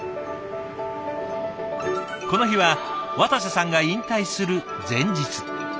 この日は渡瀬さんが引退する前日。